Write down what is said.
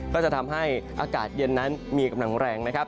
ก็จะทำให้อากาศเย็นนั้นมีกำลังแรงนะครับ